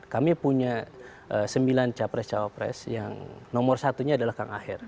kami punya sembilan capres cawapres yang nomor satunya adalah kang aher